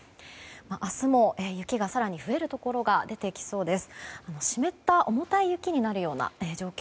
明日も雪が更に増えるところが出てきそうです。